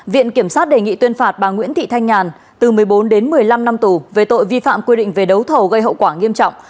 viện kiểm sát đề nghị tuyên phạt bà nguyễn thị thanh nhàn từ một mươi bốn đến một mươi năm năm tù về tội vi phạm quy định về đấu thầu gây hậu quả nghiêm trọng